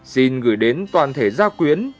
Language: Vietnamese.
xin gửi đến toàn thể gia quyến